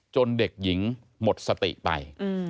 เด็กหญิงหมดสติไป